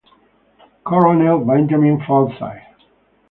Colonel Benjamin Forsyth.